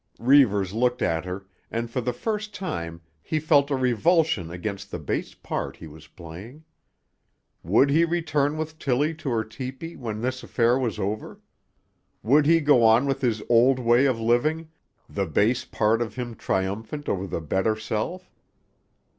Reivers looked at her, and for the first time he felt a revulsion against the base part he was playing. Would he return with Tillie to her tepee when this affair was over? Would he go on with his old way of living, the base part of him triumphant over the better self?